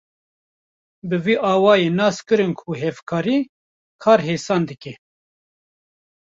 Bi vî awayî nas kirin ku hevkarî, kar hêsan dike.